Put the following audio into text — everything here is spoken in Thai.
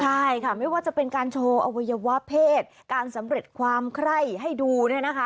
ใช่ค่ะไม่ว่าจะเป็นการโชว์อวัยวะเพศการสำเร็จความไคร้ให้ดูเนี่ยนะคะ